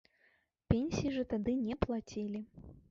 Пенсій жа тады не плацілі.